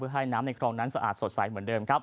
ให้น้ำในคลองนั้นสะอาดสดใสเหมือนเดิมครับ